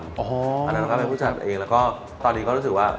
ก็ทำให้ผู้จัดเองแล้วก็ตอนนี้ก็รู้สึกว่า